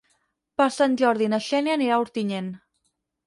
Per Sant Jordi na Xènia anirà a Ontinyent.